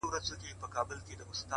چي بيا ترې ځان را خلاصولای نسم;